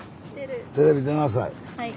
テレビ出なさい。